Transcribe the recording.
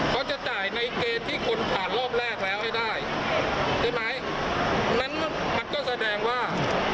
เขาจะจ่ายในเกณฑ์ที่คนผ่านรอบแรกแล้วให้ได้ใช่ไหมนั้นมันก็แสดงว่า